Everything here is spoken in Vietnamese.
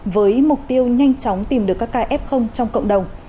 với mục tiêu nhanh chóng tìm được các kf trong cộng đồng